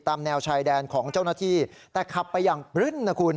แนวชายแดนของเจ้าหน้าที่แต่ขับไปอย่างปลื้นนะคุณ